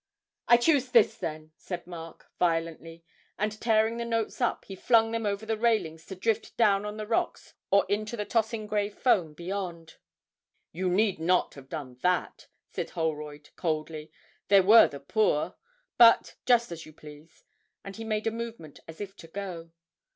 'I choose this, then!' said Mark, violently, and tearing the notes up, he flung them over the railings to drift down on the rocks or into the tossing grey foam beyond. 'You need not have done that,' said Holroyd, coldly; 'there were the poor. But just as you please!' and he made a movement as if to go.